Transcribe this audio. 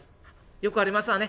「よくありますわね。